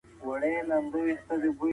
فلسفهمیږي چي عقل د علمي حقیقت تشریح کوي.